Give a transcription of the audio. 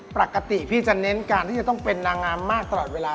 ปกติพี่จะเน้นการที่จะต้องเป็นนางงามมากตลอดเวลา